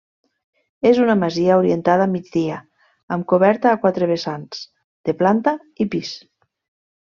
És una masia orientada a migdia amb coberta a quatre vessants, de planta i pis.